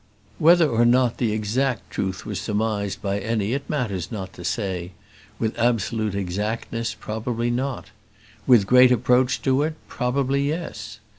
Whether or not the exact truth was surmised by any, it matters not to say; with absolute exactness, probably not; with great approach to it, probably yes.